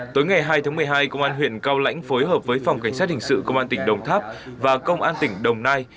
tối ngày hai tháng một mươi hai công an huyện cao lãnh phối hợp với phòng cảnh sát hình sự công an tỉnh đồng tháp và công an tỉnh đồng nai